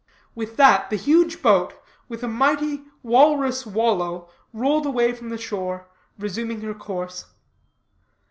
With that, the huge boat, with a mighty, walrus wallow, rolled away from the shore, resuming her course.